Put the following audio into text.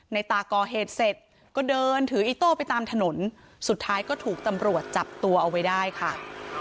ตาก่อเหตุเสร็จก็เดินถืออีโต้ไปตามถนนสุดท้ายก็ถูกตำรวจจับตัวเอาไว้ได้ค่ะ